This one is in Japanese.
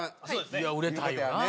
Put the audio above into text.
いや売れたいよな。